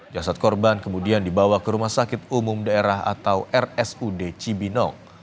jasad korban kemudian dibawa ke rumah sakit umum daerah atau rsud cibinong